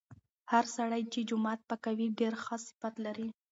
هغه سړی چې جومات پاکوي ډیر ښه صفت لري.